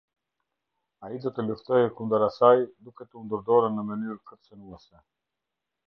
Ai do të luftojë kundër asaj duke tundur dorën në mënyrë kërcënuese.